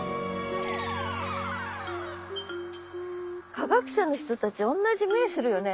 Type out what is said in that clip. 科学者の人たちおんなじ目するよね。